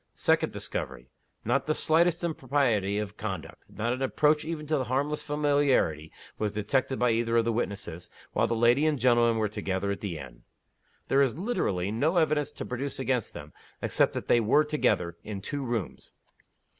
_ Second discovery: Not the slightest impropriety of conduct, not an approach even to harmless familiarity, was detected by either of the witnesses, while the lady and gentleman were together at the inn. There is literally no evidence to produce against them, except that they were together in two rooms.